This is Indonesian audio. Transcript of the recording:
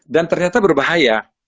dan ternyata berbahaya